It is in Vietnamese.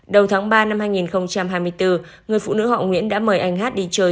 đầu tháng ba năm hai nghìn hai mươi bốn người phụ nữ họ nguyễn đã mời anh hát đi chơi